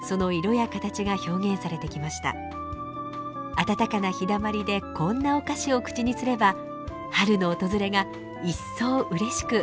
暖かな日だまりでこんなお菓子を口にすれば春の訪れが一層うれしく感じられそうですね。